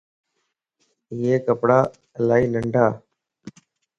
ايي ڪپڙا الائي ننڍان